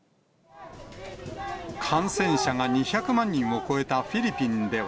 感染者が２００万人を超えたフィリピンでは。